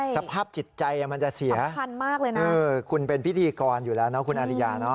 สภาพจิตใจมันจะเสียคุณเป็นพิธีกรอยู่แล้วนะคุณอาริยา